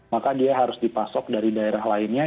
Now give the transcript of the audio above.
maka dia harus dipasok dari daerah lainnya